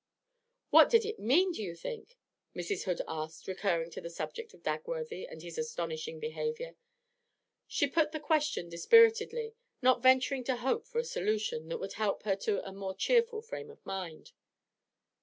'What did it mean, do you think?' Mrs. Hood asked, recurring to the subject of Dagworthy and his astonishing behaviour. She put the question dispiritedly, not venturing to hope for a solution that would help her to a more cheerful frame of mind.